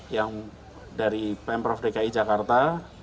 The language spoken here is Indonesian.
yang dari pemprov dki jakarta